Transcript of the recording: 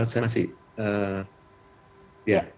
saya masih ya